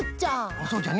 おおそうじゃね。